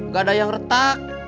gak ada yang retak